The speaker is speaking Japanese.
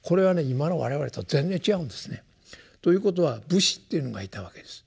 今の我々と全然違うんですね。ということは武士っていうのがいたわけです。